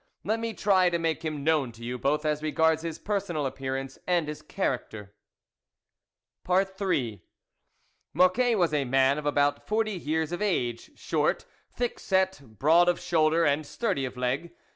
Let me try to make him known to you, both as regards his personal appearance and his character. Ill MOCQUET was a man of about forty years of age, short, thick set, broad of shoulder, and sturdy of leg.